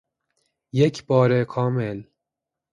بک بار کامل